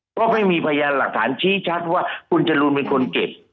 ก็ไม่มีพยานหลักฐานชี้ชัดว่าคุณจรูนเป็นคนเก็บ